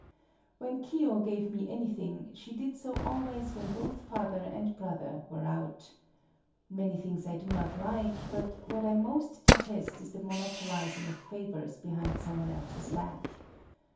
When Kiyo gave me anything she did so always when both father and brother were out. Many things I do not like, but what I most detest is the monopolizing of favors behind some one else's back.